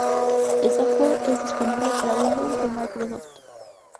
El software es disponible para Windows de Microsoft.